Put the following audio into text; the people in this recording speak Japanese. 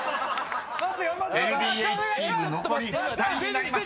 ［ＬＤＨチーム残り２人になりました］